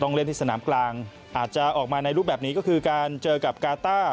เล่นที่สนามกลางอาจจะออกมาในรูปแบบนี้ก็คือการเจอกับกาต้า